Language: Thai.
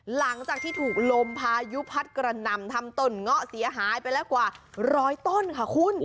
หลังจากที่ถูกลมพายุพัดกระหน่ำทำต้นเงาะเสียหายไปแล้วกว่าร้อยต้นค่ะคุณ